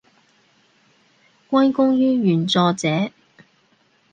歸功於原作者